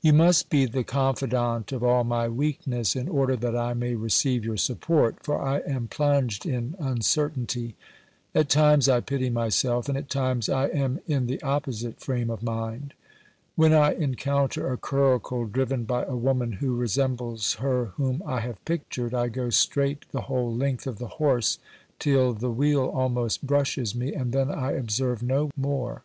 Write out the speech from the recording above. You must be the confidant of all my weakness in order that I may receive your support, for I am plunged in un certainty ; at times I pity myself, and at times I am in the opposite frame of mind. When I encounter a curricle driven by a woman who resembles her whom I have pictured, I go straight the whole length of the horse till the wheel almost brushes me, and then I observe no more.